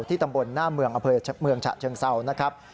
ตำบลหน้าเมืองอเภอเมืองฉะเชิงเศร้านะครับ